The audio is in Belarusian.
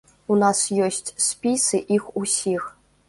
У нас ёсць спісы іх усіх.